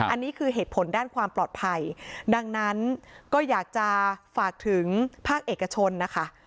อันนี้คือเหตุผลด้านความปลอดภัยดังนั้นก็อยากจะฝากถึงภาคเอกชนนะคะ